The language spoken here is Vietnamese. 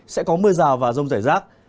sẽ có mưa rào và rông rải rác